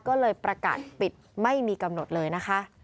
ก็เลยประกาศปิดไม่มีกำหนดเลยนะคะ